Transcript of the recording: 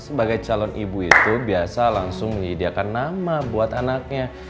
sebagai calon ibu itu biasa langsung menyediakan nama buat anaknya